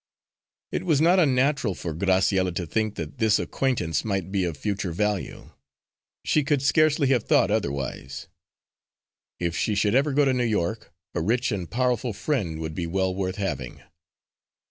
It was not unnatural for Graciella to think that this acquaintance might be of future value; she could scarcely have thought otherwise. If she should ever go to New York, a rich and powerful friend would be well worth having.